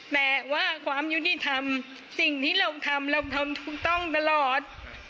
แต่ว่าความยุติธรรมสิ่งที่เราทำเราทำถูกต้องตลอด